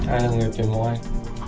ai là người tuyệt mộng anh